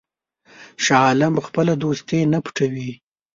شاه عالم خپله دوستي نه پټوي.